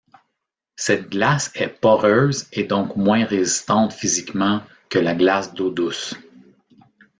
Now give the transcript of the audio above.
Cette glace est poreuse et donc moins résistante physiquement que la glace d’eau douce.